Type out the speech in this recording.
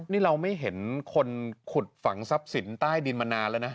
นี่เราไม่เห็นคนขุดฝังทรัพย์สินใต้ดินมานานแล้วนะ